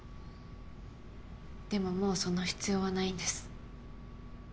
でももうその必要はないんです。